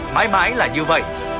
mai mãi là như vậy